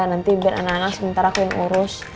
nanti biar anak anak sementara aku ingin urus